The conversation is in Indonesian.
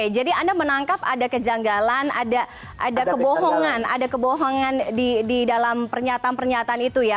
jadi anda menangkap ada kejanggalan ada kebohongan di dalam pernyataan pernyataan itu ya